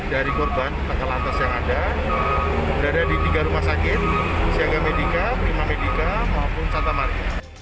dari korban kata lantas yang ada berada di tiga rumah sakit siaga medica prima medica maupun santa mari